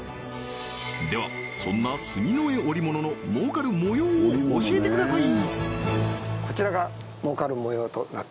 ではそんな住江織物の儲かる模様を教えてください！